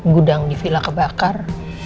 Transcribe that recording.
gudang di villa kebakar